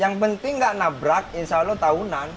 yang penting nggak nabrak insya allah tahunan